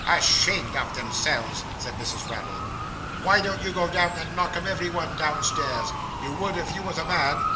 'Ashamed of themselves!' said Mrs. Raddle. 'Why don't you go down and knock 'em every one downstairs? You would if you was a man.